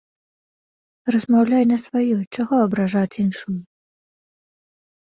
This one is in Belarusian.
Размаўляй на сваёй, чаго абражаць іншую?